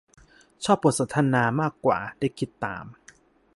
ชอบบทสนทนามากกว่า ได้คิดตาม